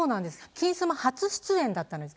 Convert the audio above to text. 金スマ初出演だったんです。